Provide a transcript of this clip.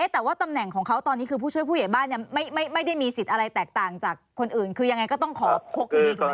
แต่ว่าตำแหน่งของเขาตอนนี้คือผู้ช่วยผู้ใหญ่บ้านไม่ได้มีสิทธิ์อะไรแตกต่างจากคนอื่นคือยังไงก็ต้องขอพกอยู่ดีถูกไหม